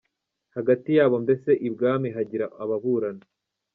hagati yabo ati “Mbese ibwami hagira ababurana